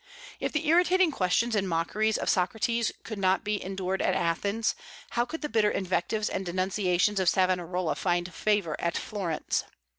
If the irritating questions and mockeries of Socrates could not be endured at Athens, how could the bitter invectives and denunciations of Savonarola find favor at Florence?